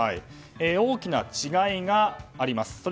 大きな違いがあります。